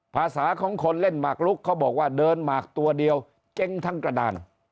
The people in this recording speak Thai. ภาษาของคนเล่นหมากลุกเขาบอกว่าเดินหมากตัวเดียวเจ๊งทั้งกระดาน